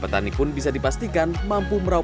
petani pun bisa dipastikan mampu belimbing madu